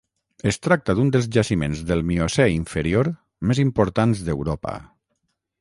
Es tracta d'un dels jaciments del Miocè inferior més importants d'Europa.